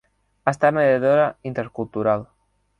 Ha estat mediadora intercultural.